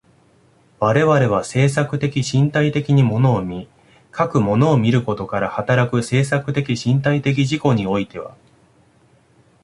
我々は制作的身体的に物を見、かく物を見ることから働く制作的身体的自己においては、